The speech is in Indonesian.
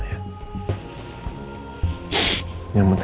yang penting sekarang mama gak apa apa